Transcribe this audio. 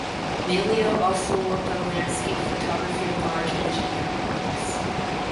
Emilio also worked on landscape photography and large engineering works.